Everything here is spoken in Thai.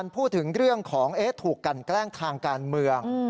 พูดถึงเรื่องของถูกกันแกล้งทางการเมือง